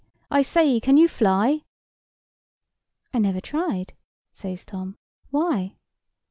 I say, can you fly?" "I never tried," says Tom. "Why?"